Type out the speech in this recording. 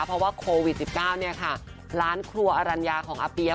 เพราะว่าโควิด๑๙เนี่ยค่ะร้านครัวอรัญญาของอาเปี๊ยก